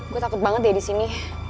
gue takut banget ya disini